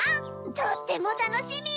とってもたのしみ！